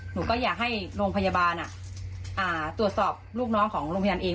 หนูก็อยากให้โรงพยาบาลตรวจสอบลูกน้องของโรงพยาบาลเอง